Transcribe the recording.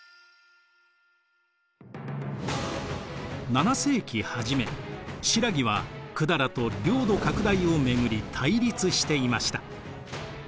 ７世紀初め新羅は百済と領土拡大を巡り対立していました。